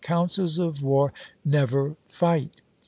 " councils of war never fight."